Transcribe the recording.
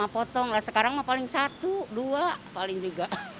potong lah sekarang mah paling satu dua paling juga